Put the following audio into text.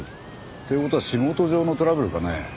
っていう事は仕事上のトラブルかね。